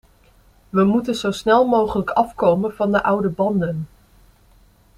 We moeten zo snel mogelijk afkomen van de oude banden.